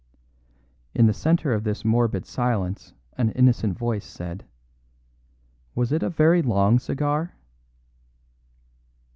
In the centre of this morbid silence an innocent voice said: "Was it a very long cigar?"